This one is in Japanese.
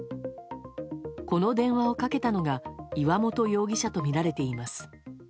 この電話をかけたのが岩本容疑者とみられています。